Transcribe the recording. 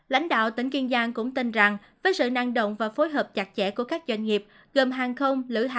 lãnh đạo tỉnh kiên giang cũng tin rằng với sự năng động và phối hợp chặt chẽ của các doanh nghiệp gồm hàng không lữ hành